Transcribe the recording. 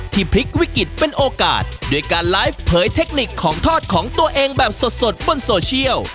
พลิกวิกฤตเป็นโอกาสด้วยการไลฟ์เผยเทคนิคของทอดของตัวเองแบบสดบนโซเชียล